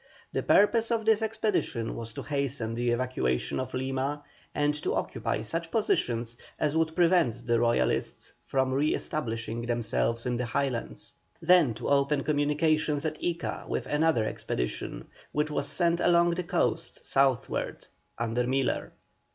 The purpose of this expedition was to hasten the evacuation of Lima and to occupy such positions as would prevent the Royalists from re establishing themselves in the Highlands; then to open communications at Ica with another expedition, which was sent along the coast southwards under Miller.